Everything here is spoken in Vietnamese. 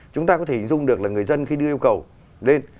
chúng ta có thể hình dung được là người dân khi đưa yêu cầu lên